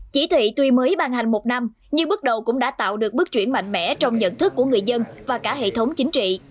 chỉ thị tuy mới bàn hành một năm nhưng bước đầu cũng đã tạo được bước chuyển mạnh mẽ trong nhận thức của người dân và cả hệ thống chính trị